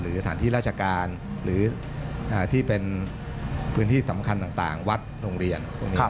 สถานที่ราชการหรือที่เป็นพื้นที่สำคัญต่างวัดโรงเรียน